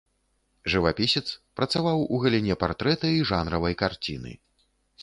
Жывапісец, працаваў у галіне партрэта і жанравай карціны.